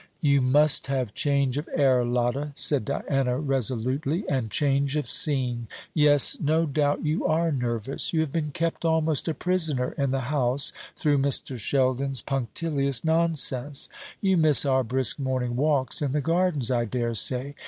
"You must have change of air, Lotta," said Diana resolutely, "and change of scene. Yes, no doubt you are nervous. You have been kept almost a prisoner in the house through Mr. Sheldon's punctilious nonsense. You miss our brisk morning walks in the Gardens, I dare say.